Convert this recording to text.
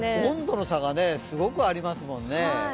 温度の差がすごくありますもんね。